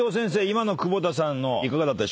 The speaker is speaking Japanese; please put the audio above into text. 今の久保田さんのいかがだったでしょうか？